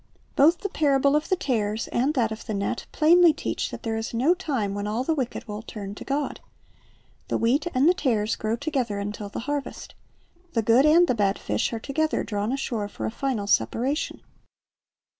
Both the parable of the tares and that of the net plainly teach that there is no time when all the wicked will turn to God. The wheat and the tares grow together until the harvest. The good and the bad fish are together drawn ashore for a final separation.